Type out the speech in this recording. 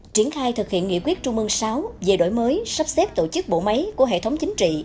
triển khai thực hiện nghị quyết trung mương sáu về đổi mới sắp xếp tổ chức bộ máy của hệ thống chính trị